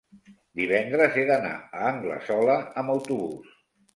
divendres he d'anar a Anglesola amb autobús.